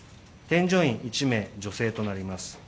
添乗員１名、女性となります。